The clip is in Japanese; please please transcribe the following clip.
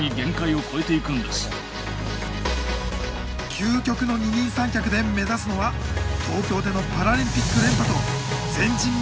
究極の二人三脚で目指すのは東京でのパラリンピック連覇と前人未到の記録です。